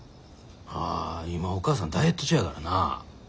あ今おかあさんダイエット中やからな。